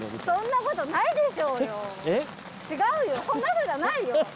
そんなことないでしょうよ！